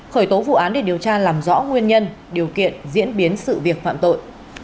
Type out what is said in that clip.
khởi tố vụ án để điều tra làm rõ nguyên nhân điều kiện diễn biến sự việc phạm tội